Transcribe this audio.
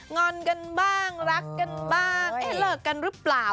อนกันบ้างรักกันบ้างเอ๊ะเลิกกันหรือเปล่า